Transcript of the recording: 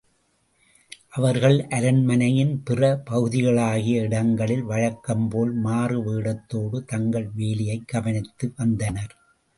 அவர்கள் அரண்மனையின் பிற பகுதிகளாகிய இடங்களில் வழக்கம்போல் மாறு வேடத்தோடு தங்கள் வேலையைக் கவனித்து வந்தனர்.